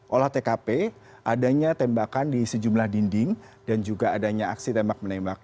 olah tkp adanya tembakan di sejumlah dinding dan juga adanya aksi tembak menembak